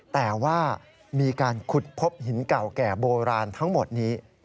แต่ว่ามีการขุดพบหินเก่าแก่โบราณทั้งหมดนี้